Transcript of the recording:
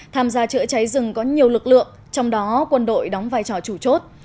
tham gia chữa cháy rừng có nhiều lực lượng trong đó quân đội đóng vai trò chủ chốt